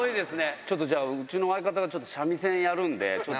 ちょっとじゃあ、うちの相方がちょっと三味線やるんで、ちょっと。